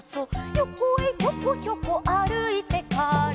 「よこへひょこひょこあるいてから」